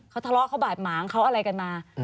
เขาทะเลาะเขาบาดหมางเขาอะไรกันมา